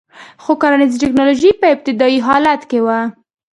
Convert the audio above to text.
خو کرنیزه ټکنالوژي په ابتدايي حالت کې وه